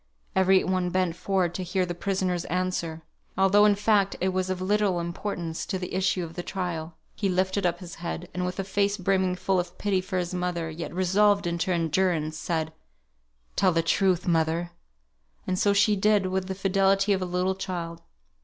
Every one bent forward to hear the prisoner's answer; although, in fact, it was of little importance to the issue of the trial. He lifted up his head; and with a face brimming full of pity for his mother, yet resolved into endurance, said, "Tell the truth, mother!" And so she did, with the fidelity of a little child.